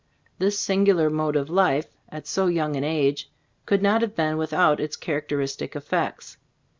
This singular mode of life, at so young an age, could not have been without its characteristic effects.